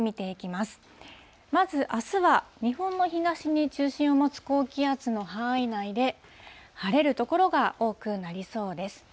まずあすは、日本の東に中心を持つ高気圧の範囲内で、晴れる所が多くなりそうです。